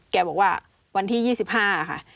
แกบอกว่าวันที่๒๕ค่ะ